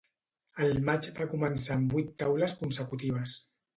El matx va començar amb vuit taules consecutives.